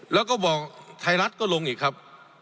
แล้วก็บอกไทยรัฐก็ลงอีกครับ